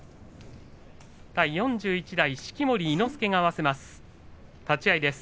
第４１代式守伊之助が合わせます。